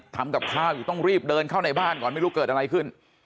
ทำกับข้าวอยู่ต้องรีบเดินเข้าในบ้านก่อนไม่รู้เกิดอะไรขึ้น